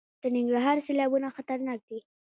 د ننګرهار سیلابونه خطرناک دي؟